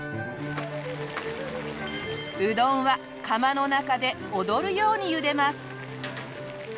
うどんは釜の中で踊るように茹でます。